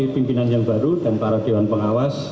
mungkin ada yang banyak yang mau ditanyakan